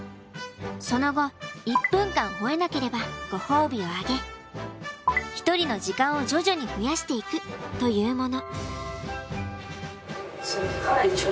その後１分間吠えなければご褒美をあげひとりの時間を徐々に増やしていくというもの。